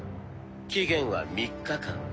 期限は３日間。